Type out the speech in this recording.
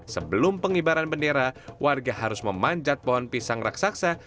sebelum pengibaran bendera warga harus memanjat pohon pisang raksasa